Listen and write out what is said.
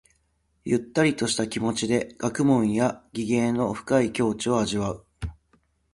ゆったりとした気持ちで学問や技芸の深い境地を味わう。